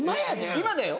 今だよ？